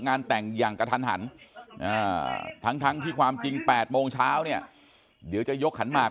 งานแต่งอย่างกระทันหันทั้งที่ความจริง๘โมงเช้าเนี่ยเดี๋ยวจะยกขันหมาก